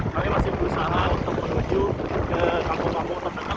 kami masih berusaha untuk menuju ke kampung kampung terdekat